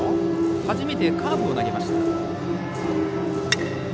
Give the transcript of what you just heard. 初めてカーブを投げました。